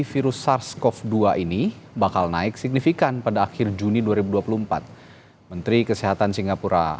virus sars cov dua ini bakal naik signifikan pada akhir juni dua ribu dua puluh empat menteri kesehatan singapura